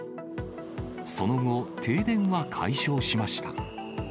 その後、停電は解消しました。